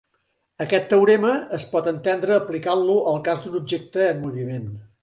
Aquest teorema es pot entendre aplicant-lo al cas d'un objecte en moviment.